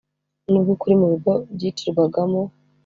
Nubwo ukuri mu bigo byicirwagamo